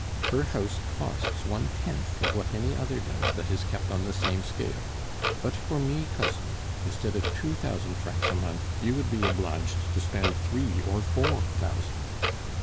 Her house costs one tenth of what any other does that is kept on the same scale. But for me, Cousin, instead of two thousand francs a month, you would be obliged to spend three or four thousand."